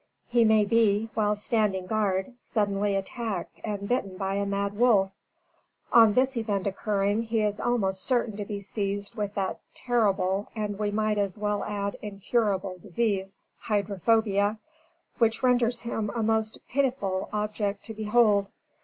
He may be, while standing guard, suddenly attacked and bitten by a mad wolf. On this event occurring, he is almost certain to be seized with that terrible, and we might as well add incurable disease, hydrophobia, which renders him a most pitiful object to behold.